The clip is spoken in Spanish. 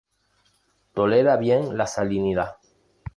Tolera bien la salinidad.